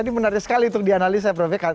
ini menarik sekali untuk dianalisa prof eka